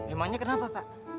emangnya kenapa pak